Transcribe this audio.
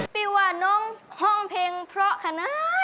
ปีว่าน้องห้องเพลงเพราะขนาด